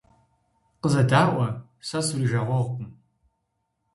Къызэдаӏуэ, сэ сурижагъуэгъукъым.